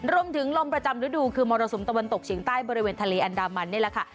ลมประจำฤดูคือมรสุมตะวันตกเฉียงใต้บริเวณทะเลอันดามันนี่แหละค่ะ